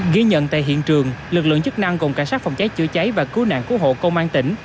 ghi nhận tại hiện trường lực lượng chức năng gồm cảnh sát phòng cháy chữa cháy và cứu nạn cứu hộ công an tỉnh